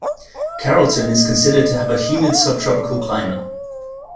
Carrollton is considered to have a humid subtropical climate.